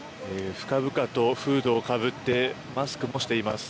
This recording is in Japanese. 深々とフードをかぶってマスクもしています。